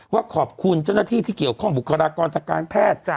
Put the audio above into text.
ว่าขอบคุณเจ้าหน้าที่ที่เกี่ยวข้องบุคลากรทางการแพทย์